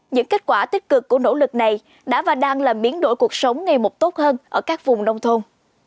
những kết quả tích cực của nỗ lực này đã và đang làm biến đổi cuộc sống ngày một tốt hơn ở các vùng nông thôn